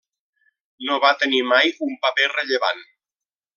No va tenir mai un paper rellevant.